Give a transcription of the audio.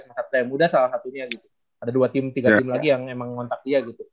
masyarakat yang muda salah satunya gitu ada dua tim tiga tim lagi yang emang ngontak dia gitu